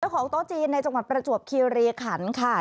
เจ้าของโต๊ะจีนในจังหวัดประจวบเคียเรคันค่ะ